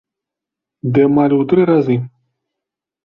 Ды амаль у тры разы!